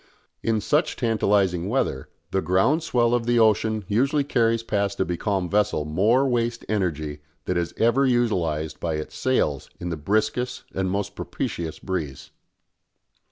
In such tantalising weather the "ground swell" of the ocean usually carries past a becalmed vessel more waste energy than is ever utilised by its sails in the briskest and most propitious breeze.